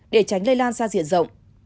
để tránh lây lan ra diện rộng